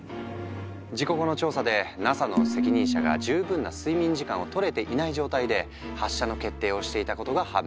事故後の調査でＮＡＳＡの責任者が十分な睡眠時間をとれていない状態で発射の決定をしていたことが判明した。